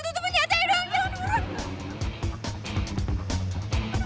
tutup penjahat saya doang jangan buruan